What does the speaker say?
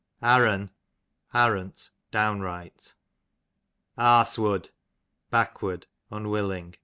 Arren, arrant, downright. Arsewood, backward, unwilling.